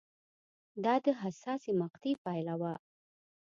دا د حساسې مقطعې پایله وه